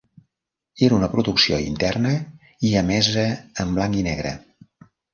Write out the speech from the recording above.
Era una producció interna i emesa en blanc i negre.